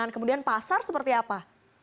kemudian pasar seperti apa